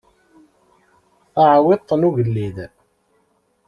Taɛwiṭ n ugellid.